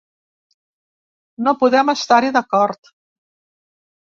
No podem estar-hi d’acord.